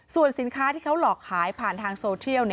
ส่วนสินค้าที่เขาหลอกขายผ่านทางโซเทียล